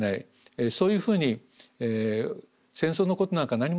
そういうふうに戦争のことなんか何も知らなくていい。